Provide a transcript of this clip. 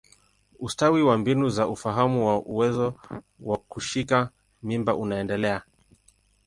Ustawi wa mbinu za ufahamu wa uwezo wa kushika mimba unaendelea.